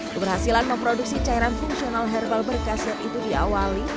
keberhasilan memproduksi cairan fungsional herbal berkasir itu diawali